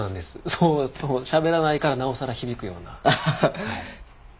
そうそうしゃべらないからなおさら響くような。